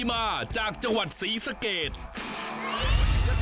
เซมาโกยกุชนักโกยอีกกอยก็โห